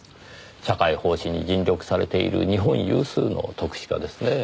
社会奉仕に尽力されている日本有数の篤志家ですねぇ。